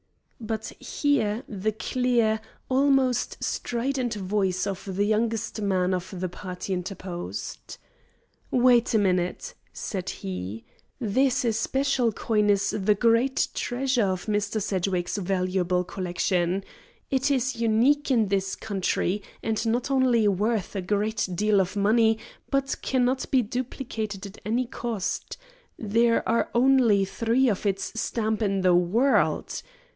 But here the clear, almost strident voice of the youngest man of the party interposed. "Wait a minute," said he. "This especial coin is the great treasure of Mr. Sedgwick's valuable collection. It is unique in this country, and not only worth a great deal of money, but cannot be duplicated at any cost. There are only three of its stamp in the world.